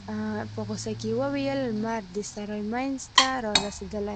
په غوسه يې وویل: لمر د سرای مينځ ته رارسيدلی.